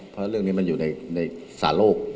เพราะเรื่องนี้มันอยู่ในสาโลก